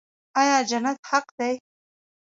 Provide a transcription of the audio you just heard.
آیا جنت حق دی؟